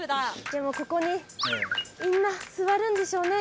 でもここにみんな座るんでしょうね。